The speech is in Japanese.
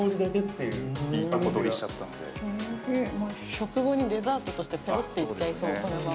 食後にデザートとしてぺろっていっちゃいそう、これは。